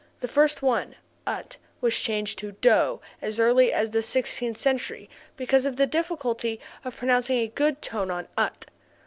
The first one (ut) was changed to DO as early as the sixteenth century because of the difficulty of producing a good singing tone on ut.